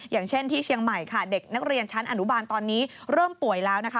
อย่างเช่นที่เชียงใหม่ค่ะเด็กนักเรียนชั้นอนุบาลตอนนี้เริ่มป่วยแล้วนะคะ